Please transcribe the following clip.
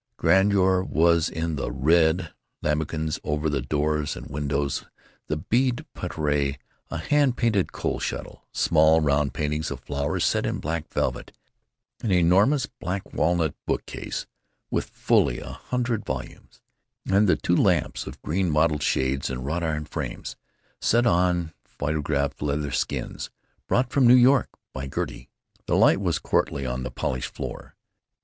Grandeur was in the red lambrequins over the doors and windows; the bead portière; a hand painted coal scuttle; small, round paintings of flowers set in black velvet; an enormous black walnut bookcase with fully a hundred volumes; and the two lamps of green mottled shades and wrought iron frames, set on pyrographed leather skins brought from New York by Gertie. The light was courtly on the polished floor.